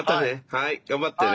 はい頑張ってね。